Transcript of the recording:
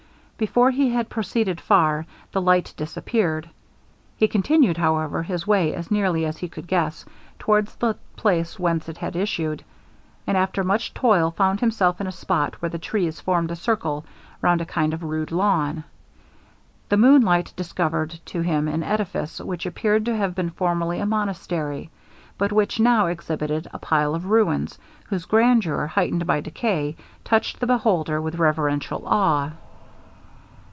Before he had proceeded far the light disappeared. He continued, however, his way as nearly as he could guess, towards the place whence it had issued; and after much toil, found himself in a spot where the trees formed a circle round a kind of rude lawn. The moonlight discovered to him an edifice which appeared to have been formerly a monastery, but which now exhibited a pile of ruins, whose grandeur, heightened by decay, touched the beholder with reverential awe.